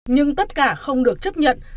nhưng tất cả không được chấp nhận